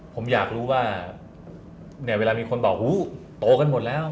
ผมอยากรู้ว่าเนี่ยเวลามีคนบอกหูโตกันหมดแล้ว